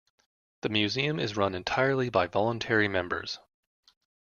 The museum is run entirely by voluntary members.